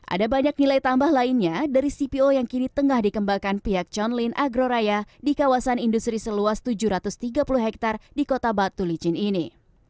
ada banyak nilai tambah lainnya dari cpo yang kini tengah dikembangkan pihak john lyn agroraya di kawasan industri seluas tujuh ratus tiga puluh hektare di kota batu licin ini